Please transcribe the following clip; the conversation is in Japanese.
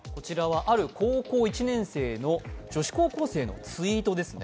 ある高校１年生の女子高校生のツイートですね。